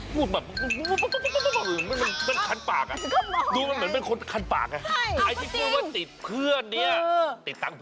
พูดแบบมันเป็นเพื่อนคันปากอะ